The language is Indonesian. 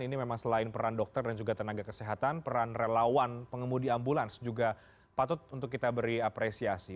ini memang selain peran dokter dan juga tenaga kesehatan peran relawan pengemudi ambulans juga patut untuk kita beri apresiasi